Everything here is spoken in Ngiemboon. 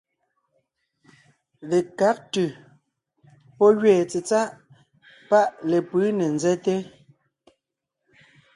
Lekág ntʉ̀ pɔ́ gẅeen tsetsáʼ paʼ lepʉ̌ ne nzɛ́te,